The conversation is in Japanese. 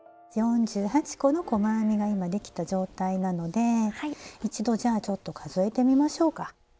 ４８個の細編みが今できた状態なので一度じゃあちょっと数えてみましょうか。